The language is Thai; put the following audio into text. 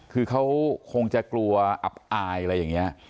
คือเขาคงจะกลัวอับอายอะไรอย่างนี้